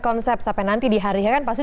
konsep sampai nanti di hari ini kan pasti